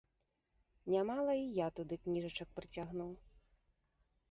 Нямала і я туды кніжачак прыцягнуў.